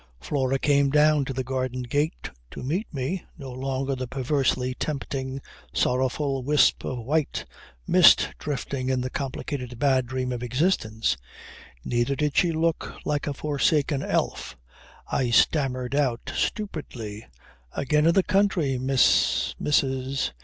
Flora came down to the garden gate to meet me, no longer the perversely tempting, sorrowful, wisp of white mist drifting in the complicated bad dream of existence. Neither did she look like a forsaken elf. I stammered out stupidly, "Again in the country, Miss ... Mrs